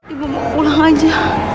ibu mau pulang aja